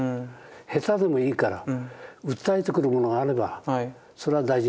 下手でもいいから訴えてくるものがあればそれは大事にしたいと思うんですね。